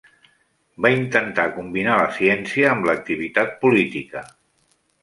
Va intentar combinar la ciència amb l'activitat política.